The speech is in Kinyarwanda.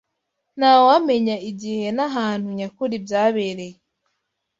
Ntawamenya igihe n’ahantu nyakuri byabereye